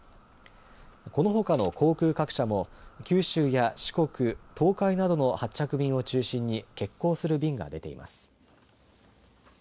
このほかの航空各社も九州や四国東海などの発着便を中心に欠航する便が出ています。